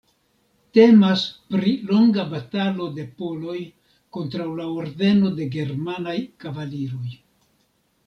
Temas pri longa batalo de poloj kontraŭ la Ordeno de germanaj kavaliroj.